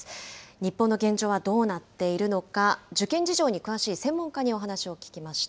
日本の現状はどうなっているのか、受験事情に詳しい専門家にお話を聞きました。